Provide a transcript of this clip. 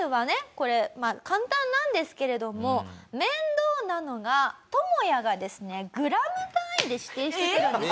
これまあ簡単なんですけれども面倒なのがトモヤがですねグラム単位で指定してくるんです。